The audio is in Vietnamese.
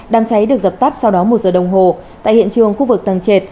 đám cháy được dập tắt sau đó một giờ đồng hồ tại hiện trường khu vực tầng trệt